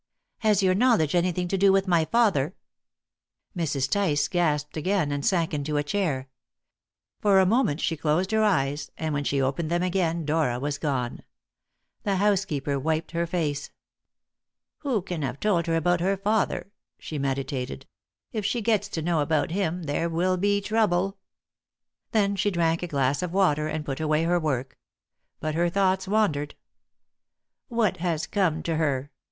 "Has your knowledge anything to do with my father?" Mrs. Tice gasped again, and sank into a chair. For a moment she closed her eyes, and when she opened them again Dora was gone. The housekeeper wiped her face. "Who can have told her about her father?" she meditated. "If she gets to know about him, there will be trouble." Then she drank a glass of water, and put away her work. But her thoughts wandered. "What has come to her?"